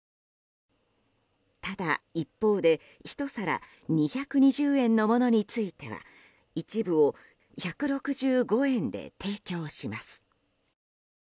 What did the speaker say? ただ、一方で１皿２２０円のものについては一部を１６５円で提供します。